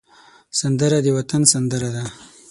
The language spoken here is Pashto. سندره د وطن سندره ده